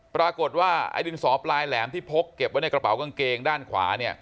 ปรากฏว่าไอ้ดินสอปลายแหลมที่พกเก็บไว้ในกระเป๋ากางเกงด้านขวาเนี่ย